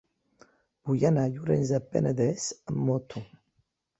Vull anar a Llorenç del Penedès amb moto.